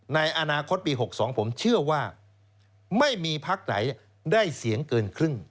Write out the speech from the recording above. ในอนาคตปี๖๒ผมเชื่อว่าไม่มีพักไหนได้เสียงเกินครึ่ง